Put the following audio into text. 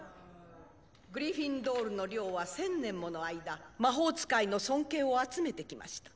グリフィンドールの寮は１０００年もの間魔法使いの尊敬を集めてきました